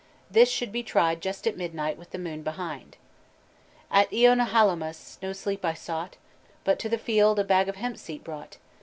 This should be tried just at midnight with the moon behind. "At even o' Hallowmas no sleep I sought, But to the field a bag of hemp seed brought.